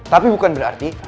tapi bukan berarti